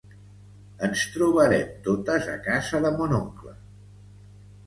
Ens trobarem totes a casa de mon oncle!